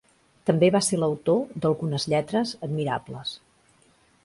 També va ser l'autor d'algunes lletres admirables.